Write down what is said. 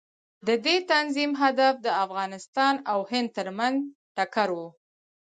د دې تنظیم هدف د افغانستان او هند ترمنځ ټکر و.